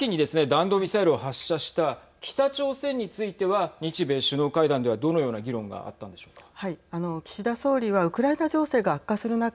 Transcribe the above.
弾道ミサイルを発射した北朝鮮については日米首脳会談ではどのような議論があったんでしょうか。